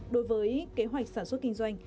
đối với kế hoạch sản xuất kinh doanh